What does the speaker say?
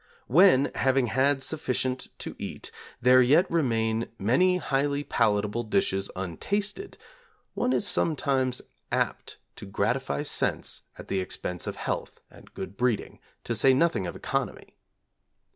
When, having had sufficient to eat, there yet remain many highly palatable dishes untasted, one is sometimes apt to gratify sense at the expense of health and good breeding, to say nothing of economy.